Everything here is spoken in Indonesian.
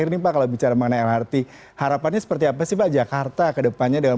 ini pak kalau bicara mengenai lrt harapannya seperti apa sih pak jakarta kedepannya dengan